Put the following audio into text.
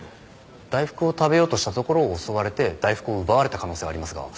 大福を食べようとしたところを襲われて大福を奪われた可能性はありますが。